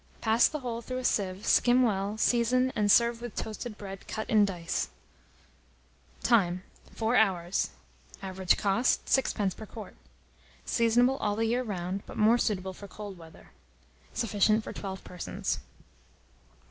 Pass the whole through a sieve, skim well, season, and serve with toasted bread cut in dice. Time. 4 hours. Average cost, 6d. per quart. Seasonable all the year round, but more suitable for cold weather. Sufficient for 12 persons.